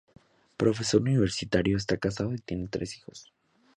Profesor universitario, está casado y tiene tres hijos.